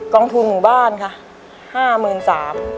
กองทูลหมู่บ้านค่ะห้าหมื่นสาม